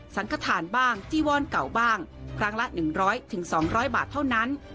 สังขทานบ้างจีวอนเก่าบ้างครั้งละ๑๐๐๒๐๐บาทเท่านั้น